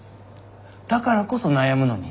だからこそ悩むのに。